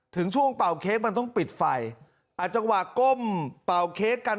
ถึงช่วงเป่าเค้กมันต้องปิดไฟอ่ะจังหวะก้มเป่าเค้กกัน